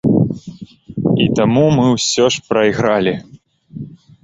І таму мы ўсё ж прайгралі.